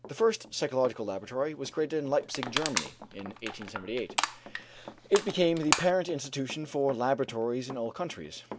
The first psychological laboratory was created in Leipzig, Germany, in 1878. It became the parent institution for laboratories in all countries.